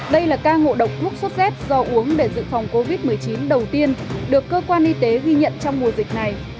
đây là ca ngộ độc thuốc sốt z do uống để dự phòng covid một mươi chín đầu tiên được cơ quan y tế ghi nhận trong mùa dịch này